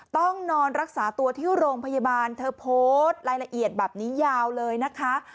ต้องนอนรักษาตัวที่โรงพยาบาลเธอโพสต์รายละเอียดแบบนี้ยาวเลยนะคะ